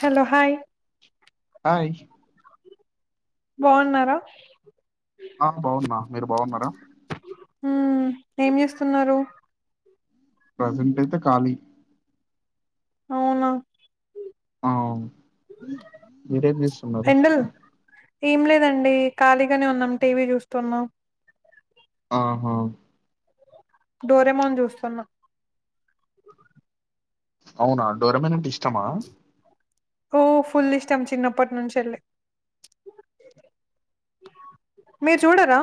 Hello hi hi బాగున్నారా ఆ బాగున్న మీరు బాగున్నారా ఉ ఏం చేస్తున్నారు ప్రజెంట్ అయితే ఖాళీ అవునా అ మీరేం చేస్తున్నారు ఎండల్ ఏం లేదండి ఖాళీగానే ఉన్నాం టీవీ చూస్తున్నాం ఆహా డోరేమోని చూస్తున్నా అవునా డరమంటి ఉత్తమా ఓ ఫుల్ ఇష్టం చిన్నప్పటి నుంచి వెళ్ళి మీరు చూడరాా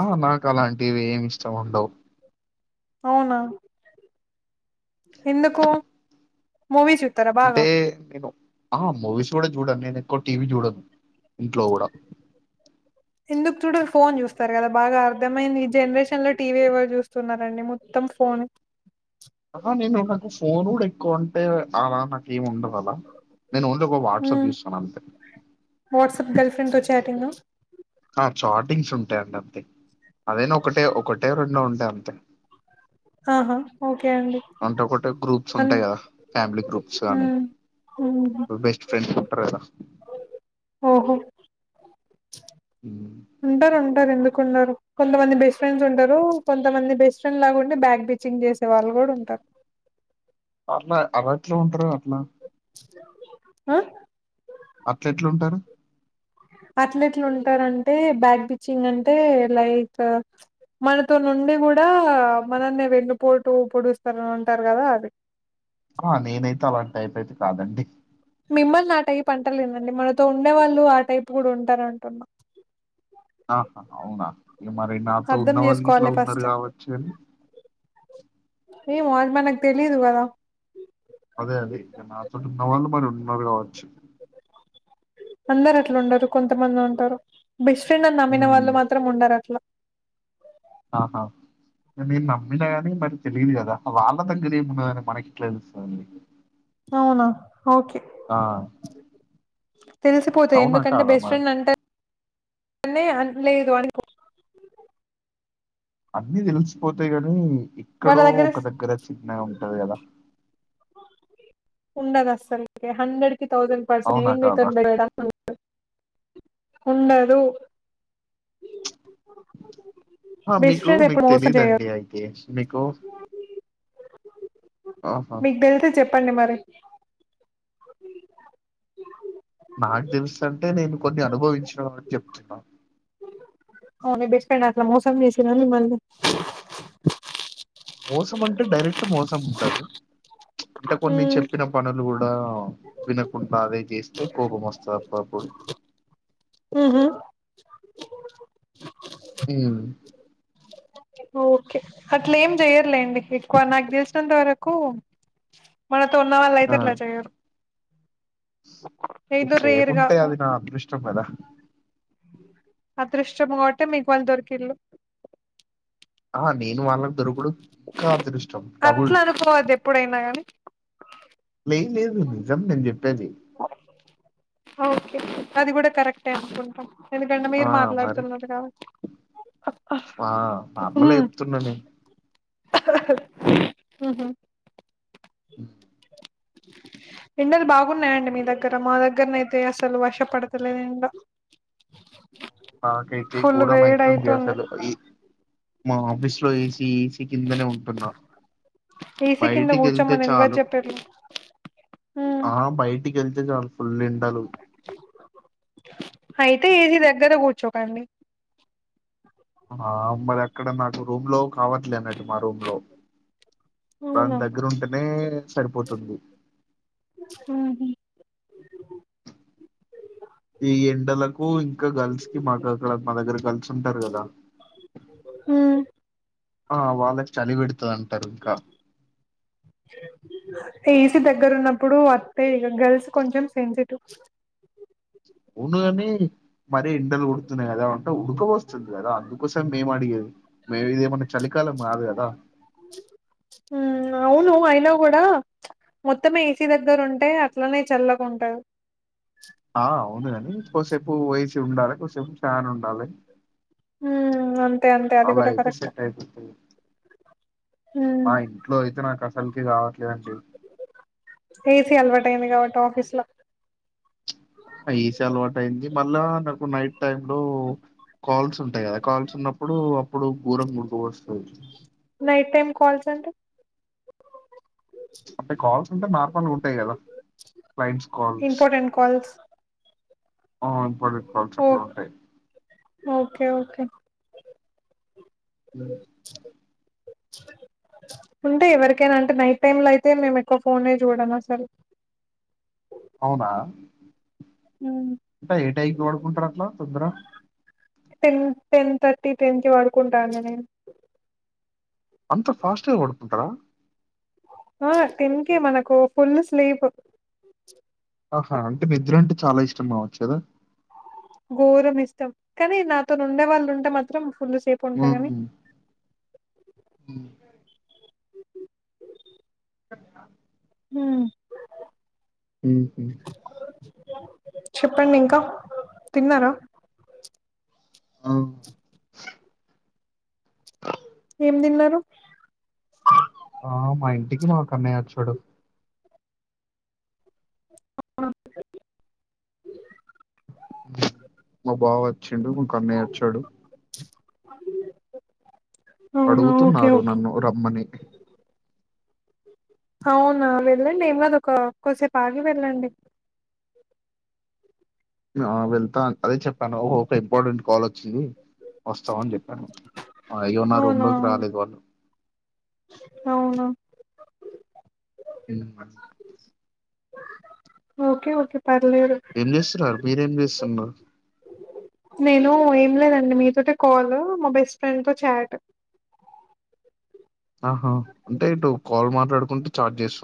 ఆ నాకు అలాంటివి ఏమి ఇష్టం ఉండవు అవునా ఎందుకు మూవీస్ూతార బాగా అంటే నేను ఆ మూవీస్ కూడా చూడను నేను ఎక్కువ టీవీ చూడను ఇంట్లో కూడా ఎందుకు చూడం ఫోన్ చూస్తారు కదా బాగా అర్ధమైంది ఈ జనరేషన్ లో టీవీ ఎవరు చూస్తున్నారండి మొత్తం ఫోన్ ఆ నేను నాకు ఫోన్ కూడా ఎక్కువ అంటే అలా నాకేమి ఉండదు నేను ఓన్లీ ఒక వాట్సాప్ మ్మ్. చూస్తాను అంతే వాట్సాప్ గర్ల్ ఫ్రెండ్ తో చాటింగ్ ఆ చార్టింగ్స్ ఉంటాయంండి అంతే అదేనా ఒకటే ఒకటే రెండో ఉంటాయి అంతే ఆహా ఓకే అండి అంటే ఒకట గ్రూప్స్ అన్ ఉంటాయి కదా ఫ్యామిలీ గ్రూప్స్ కానీ మ్మ్. మ్మ్. బెస్ట్ ఫ్రెండ్స్ ఉంటారు కదా ఆహా ఉమ్. ఉంటారు ఉంటారు ఎందుకు అ కొంతమంది బెస్ట్ ఫ్రెండ్స్ ఉంటారు కొంతమంది బెస్ట్ ఫ్రెండ్ లాగాంే బ్యాక్ బిచింగ్ చేసే వాళ్ళు కూడా ఉంటారు అట్లా అలాట్లా ఉంటారు అట్లా ఆ అట్ల ఎట్లుంటారు అట్లెట్లు ఉంటారంటే బ్యాక్ బిచ్చింగ్ అంటే లైక్ మనతో నుండి కూడా మనన్న వెన్నుపోటు పొడుస్తారని ఉంటారు కదా అది ఆ నేనైతే అలాంటి టైప్ అయితే కాదండి మిమ్మల్ని ఆ టైప్ అంటలేదండి మనతో ఉండే వాళ్ళు ఆ టైప్ కూడా ఉంటారు అంటున్నా ఆహా అవునా ఇ మరి నాతో అర్థం ఉన్న వాళ్ళు ఇట్లా చేసుకోవాలి ఉన్నారు ఫస్ట్ కావచ్చు అని ఏ మోజ మ నాకు తెలీదు కదా అదే అదే ఇక నాతోోటి ఉన్నవాళ్ళు మరి ఉన్నవి కావచ్చు అందరు అట్లా ఉండరు కొంతమంది ఉంటారు బెస్ట్ ఫ్రెండ్ అని నమ్మిన హ్మ్. వాళ్ళు మాత్రం ఉండరు అట్లా ఆహా నేను నమ్మినా కానీ మరి తెలియదు కదా వాళ్ళ దగ్గర ఏమున్నదని మనకి ఇట్లా తెలుస్తదండి. అవునా ఓకే ఆ! తెలిసిపోతే అవునా? ఎందుకంటే కాదా బెస్ట్ మరి? ఫ్రెండ్ అంటారు అన్న లేదు అనుకో అన్నీ తెలిసిపోతాయి గాని ఎక్కడో ఒక దగ్గర చిన్నగా ఉంటది కదా ఉండదు అసలే హండ్రెడ్ థౌసండ్ పర్సెంట్ అవునా? నేను కాదా? మీతోనీ బెట్ కడతా ఉండదు హా బెస్ట్ మీకు ఫ్రెండ్ ఎప్పుడు మీకు మోసం చేయరు తెలిదండీ ఐ గెస్ మీకు ఆహా! మీకు తెలిస్తే చెప్పు చెప్పండి మరి నాకు తెలుసు అంటే నేను కొన్ని అనుభవించిన కాబట్టి చెప్తున్నా అవును బెస్ట్ ఫ్రెండ్ అట్లా మోసం చేసిరా మిమ్మల్ని మోసం అంటే డైరెక్ట్ మోసం ఉండదు అంటే కొన్ని మ్మ్ చెప్పిన పనులు కూడా వినకుండా అదే చేస్తే కోపం వస్తది ఒకప్పుడు హ్మ్మ్ హ్మ్మ్ ఓకే అట్లా ఏం చెయర్లేండి ఎక్కువ నాకు తెలిసినంత వరకు మనతో ఉన్న వాళ్ళు అయితే అట్లా చేయరు ఏదో రేర్ గా చేయాకుంటే అది నా అదృష్ట ష్టం కదా అదృష్టం ఒకటే మికువాళ్ళు దొరికిళ్ళు ఆహా నేను వాళ్ళకి దొరకడం ఇంకా అదృష్టం డబుల్ అట్లా అనుకోవద్దు ఎప్పుడైనా గాని ఏ లేదు నిజం నేను చెప్పేది పేది ఓకే అది కూడా కరెక్టే అనుకుంటాం ఎందుకంటె ఆ! మీరు మరి మాట్లాడుతున్నరూ కాబట్టి అబ్బా ఆ! నార్మలే జెప్తున్నా నేను. హ్మ్మ్ హ్మ్మ్ ఉ ఎండలు బాగున్నాయండి మీ దగ్గర మా దగ్గరనైతే అసలు వషపడతలేదు ఎండ నాకైతే ఫుల్ వేడి ఘూరంమైతుంది అయితుంది అసలు మా ఆఫీస్ లో ఏ సీ ఏ సీ కిందనే ఉంటున్నారు ఏసీ కింద బయటికి వెళ్తే కూర్చోమని ఎవరు చాలు చెప్పిర్రు ఆ బయటికి వెళ్తే చాలు ఫుల్ ఎండ డలు అయితే ఏజీ దగ్గర కూర్చోకండి ఆ మరి అక్కడ నాకు రూమ్ లో కావట్లే అన్నట్టు మా రూమ్ లో అవునా దాని దగ్గరు ఉంటేనే సరిపోతుంది ఉహు. ఈ ఎండలకు ఇంకా గర్ల్స్ కి మాకు అక్కడ మా దగ్గర గర్ల్స్ ఉంటారు కదా ఉమ్ ఆ వాళ్ళకి చలి పెడుతుంది అండి ఇసి దగ్గర ఉన్న ఇప్పుడు వస్తాయి ఇక గర్ల్స్ కొంచెం సెన్సిటివ్ వునుగాని మర ఇండలు ఉడుతున్నాయి కదా అంటే ఉడక వస్తుంది కదా అందుకోసం మేము అడిగేది మేము ఇదేమన్నా చలికాలం కాదు కదా అవును అయినా కూడా మొత్తమే ఏసీ దగ్గర ఉంటే అట్లనే చల్లకుంటారు ండాలి కొం ఫాన్ ఉండాలి ఉమ్ అంతే అంతే అది అలా కూడా అయితే కరెక్ట్ సట్ అయిపోతు మా ఉమ్ ఇంట్లో అయితే నాకు అసలుకి కావట్లేదండి ాఫీస్ లో ఈస అలవాటు అయింది మళ్ళా నాకు నైట్ టైమ్ లో కాల్స్ ఉంటాయి కదా కాల్చ ఉన్నప్పుడు అప్పుడు ూరం ముందుకు వస్తుంది ంట అప్పుే కాల్స్ ఉంటే నార్మల్ ఉంటాయి కదా ఫలైట్స్ కాల్స్ ఇంపార్టెంట్ కాల్స్ ఆ ఇప్పుడుక్ల్స్ ఓ అట్లు ఉంటాయి ఓకే ఓకే హ్మ్. ఉంటే ఎవరికైనా అంటే నైట్ టైమ్ లో అయితే మేము ఎక్కువ ఫోన్ చూడమ సార్ అవునా మ్మ్. ఏ టాయికి డుకుం ట రాట్లా తందరా టెన్ టెన్ థర్టీ టెన్ కి పడుకుంటాను నేను అంత ఫాస్ట్గా డుకుంటారా ఆ టన్కే మనకు ఫుల్ స్లీప్ ఆహా అంటే నిద్ర అంటే చాలా ఇష్టం కావచ్చు కదా ఘోరం ఇష్టం కానీ నాతో ఉండే వాళ్ళు ఉంటే మాత్రం ఫుల్ సేపు ఆ ఉంటా కాని స హ హ చెప్పండి ఇంకా తిన్నారా అవు ఏం తిన్నారు ఆ మా ఇంటికి మాకున్నయ్య చడు ఆ మ్మ్ మా బాబ్బాయ్ వచ్చిండు ఇంకో అన్నయ్య వచ్చాడు అవునా ఓకే అడుగుతున్నారు ఓకే నన్ను రమ్మని అవునా వెళ్ళండి ఏం కాదు ఒక కూసేపు ఆగి వెళ్ళండి ఆ వెళ్తా అదే చెప్పాను ఒక ఇంపార్టెంట్ కాల్ చి వస్తామని చెప్పాను అయ్యో నా రూమ్ లోకి రాలేదు వాళ్ళు అవును మ్మ్మ్ ఓకే ఓకే పర్లేదు ఏం చేస్తున్నారు మీరేం చేస్తున్నారు నేను ఏం లేదండి మీతోటీ కాల్లు మా బెస్ట్ ఫ్రెండ్ తో చాట్ ఆహా అంటే ఇటు కాల్ మాట్లాడుకుంటే చార్జ్ చేసు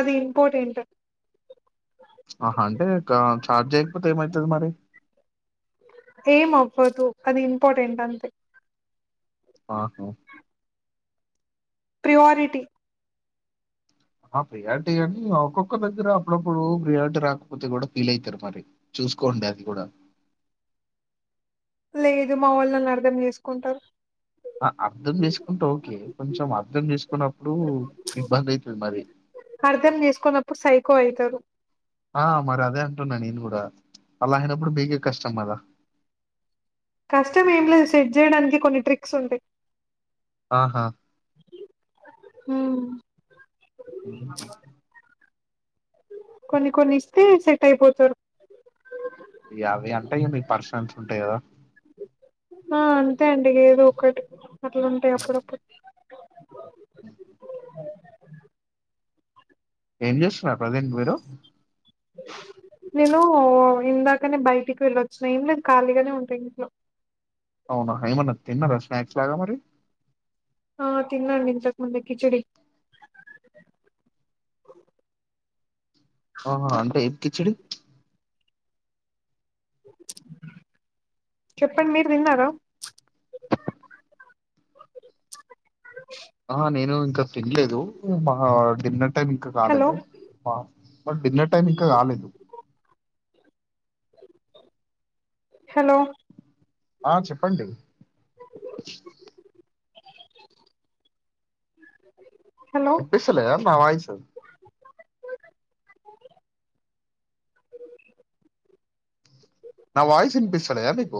అది ఇంపార్టెంట్ ఆహ అంటే ఇక ఛార్జ్ చేయకపోతే ఏమైతది మరి ఏం అవ్వదు అది ఇంపార్టెంట్ అంతే ఆహా ప్రియారిటి ఆ ప్రియారిటి అని ఒక్కొక్కరు దగ్గర అప్పుడప్పుడు ప్రియారిటీ రాకపోతే కూడా ఫీల్ అయితరు మరి చూసుకోండి అది కూడా లేదు మా వాళ్లు నన్ను అర్ధం చేసుకుంటరు ఆ అర్థం చేసుకుంటే ఓకే కొంచెం అర్థం చేసుకోనప్పుడు ఇబ్బంది అయితది మరి అర్థం చేసుకున్నప్పుడు సైకో అయితారు ఆ మరి అదే అంటున్నా నేను కూడా అలా అయినప్పుడు మీకే కష్టం కదా కష్టం ఏం లేదు సెట్ చేయడానికి కొన్ని ట్రిక్స్ ఉంటాయి ఆహా హ్మ్ కొన్ని కొన్ని ఇస్తే సెట్ అయిపోతారు యాభై అంటే ఇగ మీకు పర్సనల్స్ ఉంటాయి గదా ఆ అంతే అండి ఏదో ఒకటి అట్లా ఉంటయి అప్పుడప్పుడు ఏం చేస్ ఆ ప్రెజెంట్ మీరు నేను ఇందాకనే బయటికి వెళ్ళొచ్చిన ఏం లేదు ఖాళీగానే ఉంటా ఇంట్లో. అవునా ఏమన్నా తిన్నారా స్నాక్స్ లాగా మరి ఆ తిన్నాండి ఇంతకుముందే కిచిడి. ఆహా అంటే ఈ కిచిడి చెప్పండి మీరు తిన్నారా ఆ నేను ఇంకా తినలేదు మా డిన్నర్ టైం ఇంకా హలో కాలేదు బ బట్ డిన్నర్ టైమ్ ఇంకా కాలేదు హలో ఆ చెప్పండి హలో వినిపిస్తే లేదా నా వాయిస్ సా నా వాయిస్ వినిపిస్తలేదా మీకు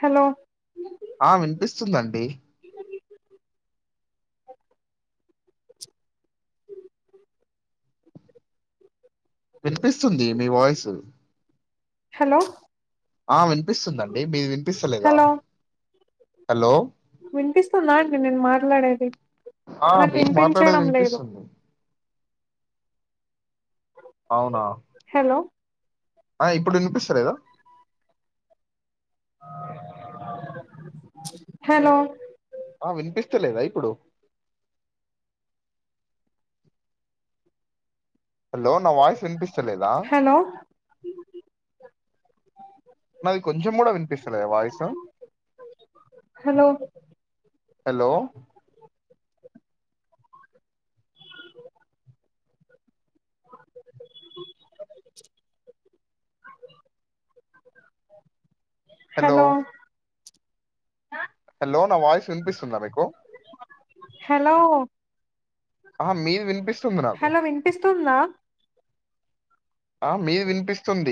హలో ఆ వినిపిస్తుందండి వినిపిస్తుంది మీ వాయిస్ హలో ఆ విని వినిపిస్తుందండి మీ వినిపిస్తలేదా హలో వినిపిస్తుందండి నేను మాట్లాడేది ఆ నాకు మీకు మాట్లాడేది వినిపించడం లేదు వినిపిస్తుంది అవునా హలో ఆ ఇప్పుడు వినిపిస్తలేదా హలో ఆ వినిపిస్తలేదా ఇప్పుడు హలో నా వాయిస్ వినిపిస్తలేదా హలో నాది కొంచెం కూడా వినిపిస్తలేదా voice hello hello hello hello నా వాయిస్ వినిపిస్తుందా మీకు హలో ఆ మీది వినిపిస్తు హలో వినిపిస్తుందా ఆ మీది వినిపిస్తుంది